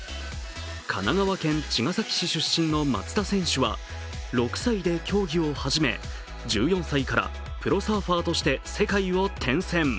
神奈川県茅ヶ崎市出身の松田選手は６歳で競技を始め１４歳からプロサーファーとして世界を転戦。